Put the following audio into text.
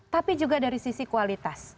tapi juga dari sisi kualitas